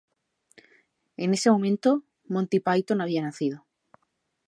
En ese momento Monty Python había nacido.